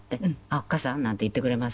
「おっかさん」なんて言ってくれますけどね。